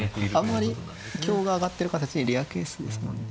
あんまり香が上がってる形レアケースですもんね。